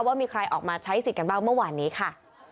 ว่ามีใครออกมาใช้สิทธิ์กันบ้างเมื่อวานนี้ค่ะ